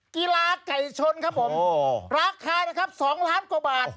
กีฬาไก่ชนครับผมราคานะครับ๒ล้านกว่าบาท